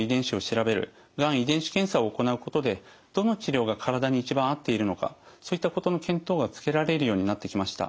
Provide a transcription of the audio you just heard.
最近ではどの治療が体に一番合っているのかそういったことの見当がつけられるようになってきました。